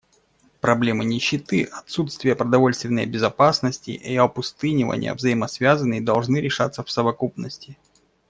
Проблемы нищеты, отсутствия продовольственной безопасности и опустынивания взаимосвязаны и должны решаться в совокупности.